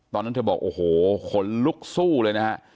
ตอนนั้นเธอบอกโอ้โหขนลุกสู้เลยนะฮะ